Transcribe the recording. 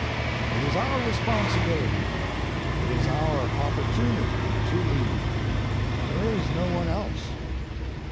It is our responsibility, it is our opportunity to lead. There is no one else.